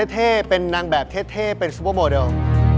เท่เป็นนางแบบเท่เป็นซุปเปอร์โมเดล